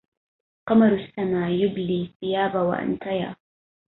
قمر السما يبليي الثياب وأنت يا